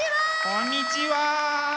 こんにちは！